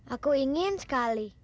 aku ingin sekali